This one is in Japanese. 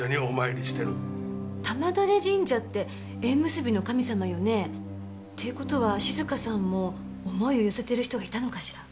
玉簾神社って縁結びの神様よね？っていう事は静香さんも思いを寄せてる人がいたのかしら？